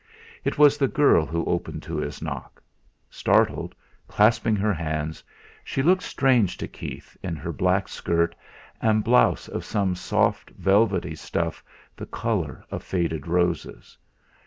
It was the girl who opened to his knock. Startled, clasping her hands, she looked strange to Keith in her black skirt and blouse of some soft velvety stuff the colour of faded roses.